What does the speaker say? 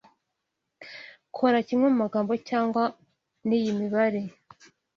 kora kimwe mu magambo cyangwa ni iyi mibare